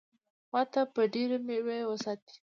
ما ته به ډېرې مېوې وساتي.